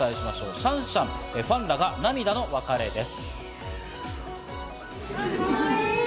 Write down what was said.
シャンシャン、パンダが涙の別れです。